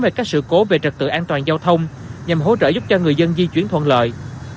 về các sự cố về trật tự an toàn giao thông nhằm hỗ trợ giúp cho người dân di chuyển thuận lợi